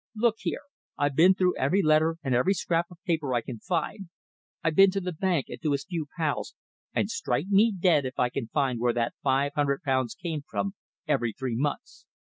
Look here! I've been through every letter and every scrap of paper I can find, I've been to the bank and to his few pals, and strike me dead if I can find where that five hundred pounds came from every three months!